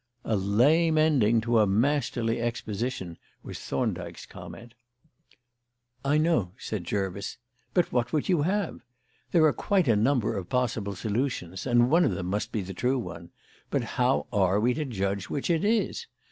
"A lame ending to a masterly exposition," was Thorndyke's comment. "I know," said Jervis. "But what would you have? There are quite a number of possible solutions, and one of them must be the true one. But how are we to judge which it is?